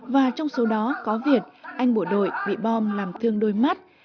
và trong số đó có việt anh bộ đội bị bom làm thương đôi mắt